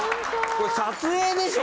これ撮影でしょ！